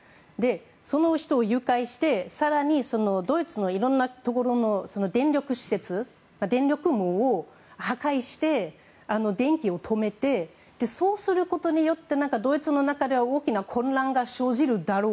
その人を誘拐して更にドイツのいろんなところの電力施設電力網を破壊して電気を止めてそうすることによってドイツの中では大きな混乱が生じるだろう。